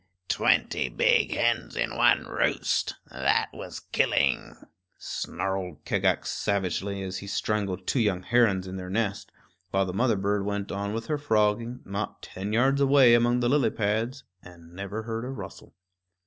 "Twenty big hens in one roost that was killing," snarled Kagax savagely, as he strangled two young herons in their nest, while the mother bird went on with her frogging, not ten yards away among the lily pads, and never heard a rustle.